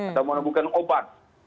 atau menemukan obat